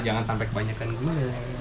jangan sampai kebanyakan gula ya